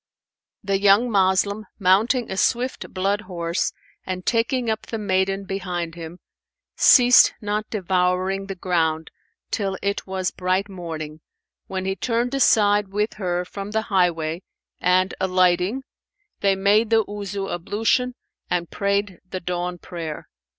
The young Moslem, mounting a swift blood horse and taking up the maiden behind him, ceased not devouring the ground till it was bright morning, when he turned aside with her from the highway and, alighting, they made the Wuzu ablution and prayed the dawn prayer.